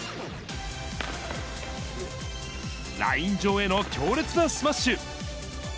ライン上への強烈なスマッシュ。